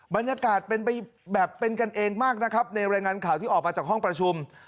บรรยากาศเป็นไปแบบเป็นกันเองมากนะครับในรายงานข่าวที่ออกมาจากห้องประชุม